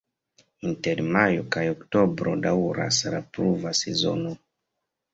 Inter majo kaj oktobro daŭras la pluva sezono.